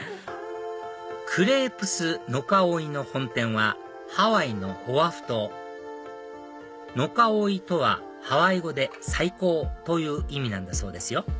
クレープスノカオイの本店はハワイのオアフ島ノカオイとはハワイ語で「最高」という意味なんだそうですよ